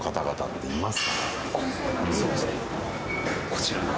こちらに。